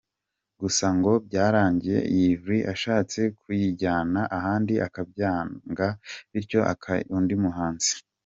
Gusa ngo byarangiye Yverry ashatse kuyijyana ahandi akabyanga bityo akayiha undi muhanzi.